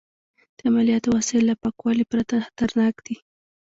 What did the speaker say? د عملیاتو وسایل له پاکوالي پرته خطرناک دي.